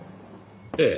ええ。